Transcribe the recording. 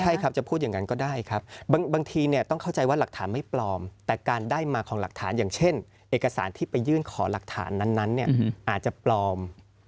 ใช่ครับจะพูดอย่างนั้นก็ได้ครับบางทีเนี่ยต้องเข้าใจว่าหลักฐานไม่ปลอมแต่การได้มาของหลักฐานอย่างเช่นเอกสารที่ไปยื่นขอหลักฐานนั้นเนี่ยอาจจะปลอม